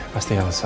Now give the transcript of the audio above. pasti yang susah